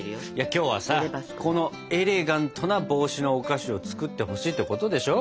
今日はさエレガントな帽子のお菓子を作ってほしいってことでしょ？